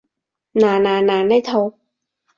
嗱嗱嗱，呢套